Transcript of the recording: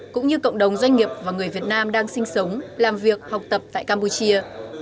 cũng như cộng đồng doanh nghiệp và người việt nam đang sinh sống làm việc học tập tại campuchia